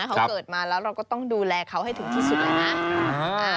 เขาเกิดมาแล้วเราก็ต้องดูแลเขาให้ถึงที่สุดแล้วนะ